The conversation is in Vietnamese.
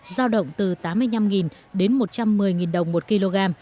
giao động từ tám mươi năm đến một trăm một mươi đồng một kg